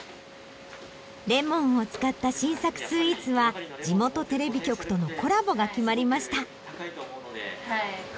レモンを使った新作スイーツは地元テレビ局とのコラボが決まりました。